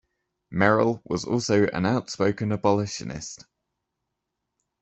Merrill was also an outspoken abolitionist.